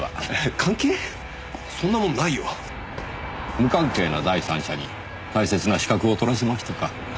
無関係な第三者に大切な資格を取らせましたか。